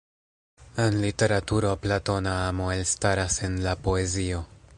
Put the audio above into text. En literaturo platona amo elstaras en la poezio.